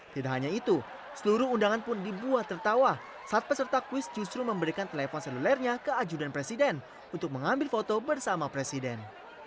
tidak hanya itu seluruh undangan pun dibuat tertawa saat peserta kuis justru memberikan telepon selulernya ke ajudan presiden untuk mengambil foto bersama presiden